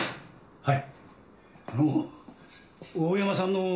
はい。